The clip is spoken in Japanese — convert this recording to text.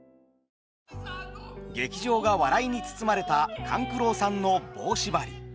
劇場が笑いに包まれた勘九郎さんの「棒しばり」。